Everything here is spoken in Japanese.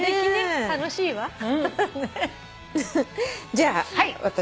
じゃあ私。